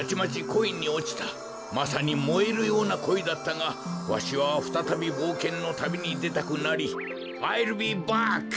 まさにもえるようなこいだったがわしはふたたびぼうけんのたびにでたくなり「アイルビーバック！」